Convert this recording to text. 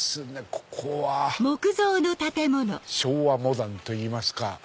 ここは昭和モダンといいますか。